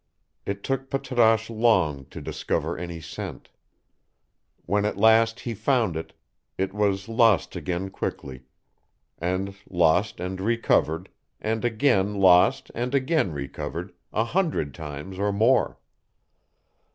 It took Patrasche long to discover any scent. When at last he found it, it was lost again quickly, and lost and recovered, and again lost and again recovered, a hundred times or more.